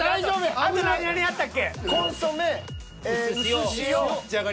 あと何々あったっけ？